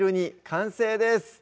完成です